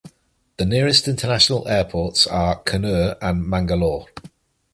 The nearest international airports are Kannur and Mangalore.